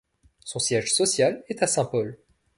Son siège social est à Saint-Paul.